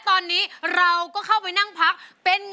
ร้องได้ให้ร้าน